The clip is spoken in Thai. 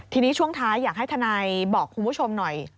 ทีนี้ช่วงท้ายอยากให้ทนายบอกคุณผู้ชมหน่อย